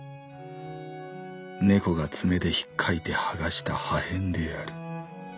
猫が爪でひっかいて剥がした破片である。